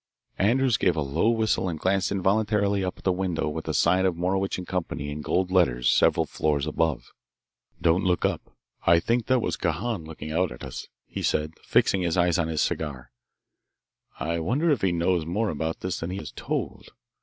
Andrews gave a low whistle and glanced involuntarily up at the window with the sign of Morowitch & Co. in gold letters several floors above. "Don't look up. I think that was Kahan looking out at us," he said, fixing his eyes on his cigar. "I wonder if he knows more about this than he has told!